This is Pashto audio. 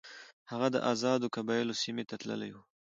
هغه د آزادو قبایلو سیمې ته تللی وو.